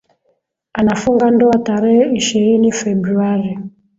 Anafunga ndoa tarehe ishirini februari